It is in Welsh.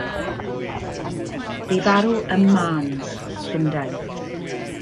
Bu farw ym Marnes, Llundain.